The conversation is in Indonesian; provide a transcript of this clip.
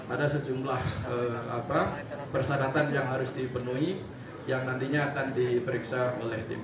ada sejumlah persyaratan yang harus dipenuhi yang nantinya akan diperiksa oleh tim